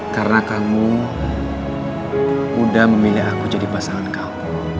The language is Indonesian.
karena kamu udah memilih aku jadi pasangan kamu